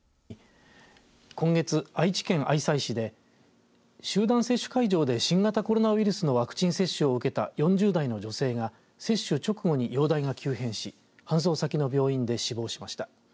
今月、愛知県愛西市で集団接種会場で新型コロナウイルスのワクチン接種を受けた４０代の女性が接種直後に容体が急変し搬送先の病院で死亡しました。